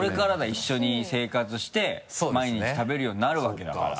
一緒に生活して毎日食べるようになるわけだから。